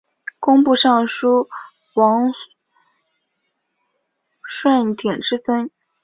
工部尚书王舜鼎之孙。